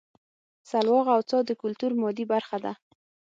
سلواغه او څا د کولتور مادي برخه ده